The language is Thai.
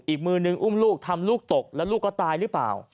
อีกมือนึงอุ้มลูกทำลูกตกแล้วลูกก็ตายหรือเปล่า